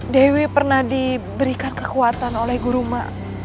dewi pernah diberikan kekuatan oleh guru ma